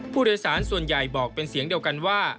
ผู้โดยสารส่วนใหญ่บอกเป็นเสียงเดียวกันว่า